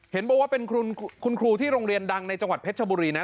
เห็นบอกว่าเป็นคุณครูที่โรงเรียนดังในจังหวัดเพชรชบุรีนะ